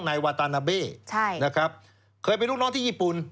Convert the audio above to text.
นายวาตานาเบ้นะครับเคยเป็นลูกน้องที่ญี่ปุ่น